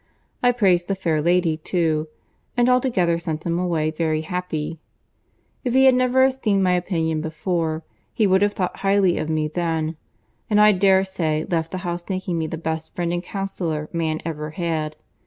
I praised the fair lady too, and altogether sent him away very happy. If he had never esteemed my opinion before, he would have thought highly of me then; and, I dare say, left the house thinking me the best friend and counsellor man ever had.